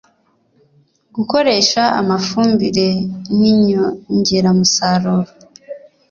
Gukoresha amafumbire n inyongeramusaruro